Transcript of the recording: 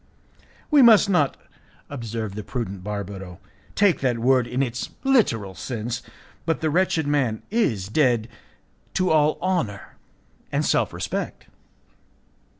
"We must not," observed the prudent Barbaro, "take that word in its literal sense, but the wretched man is dead to all honour and self respect."